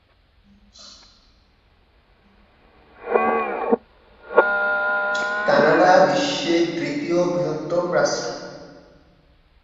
কর্তৃপক্ষ তাকে সেখানে ঐতিহ্যবাহী শিক্ষার পদ্ধতিগুলি সংশোধন করার জন্য, তবে "কিছু অর্থের অনিয়মিত পরিচালনার জন্য" পদচ্যুত করে।